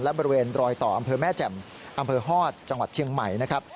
และบริเวณรอยต่ออำเภอแม่แจ่มอำเภอฮอตจังหวัดเชียงใหม่นะครับ